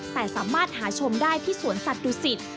แต่สามารถหาชมได้ที่สวนสัตว์ดุสิต